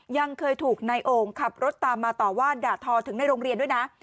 ยังเคยถูกนายโอ่งขับรถตามมาต่อว่าด่าทอถึงในโรงเรียนด้วยนะ